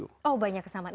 oh banyak kesamaannya